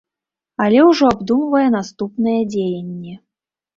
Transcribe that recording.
Але ўжо абдумвае наступныя дзеянні.